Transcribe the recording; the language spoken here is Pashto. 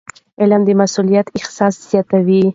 علم د مسؤلیت احساس زیاتوي.